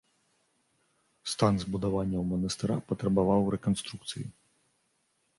Стан збудаванняў манастыра патрабаваў рэканструкцыі.